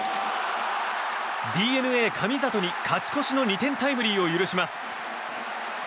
ＤｅＮＡ、神里に勝ち越しの２点タイムリーを許します。